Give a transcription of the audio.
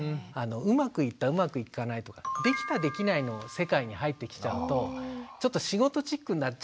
うまくいったうまくいかないとかできたできないの世界に入ってきちゃうとちょっと仕事チックになっちゃうというか。